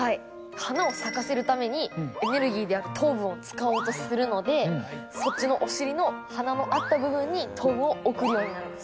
花を咲かせるために、エネルギーである糖分を使おうとするので、そっちのお尻の花のあった部分に、糖分を送るようになります。